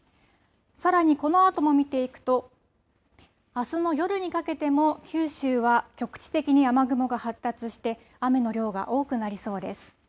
さらに、このあとも見ていくとあすの夜にかけても九州は局地的に雨雲が発達して雨の量が多くなりそうです。